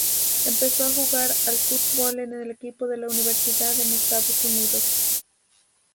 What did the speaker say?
Empezó a jugar al fútbol en el equipo de la universidad en Estados Unidos.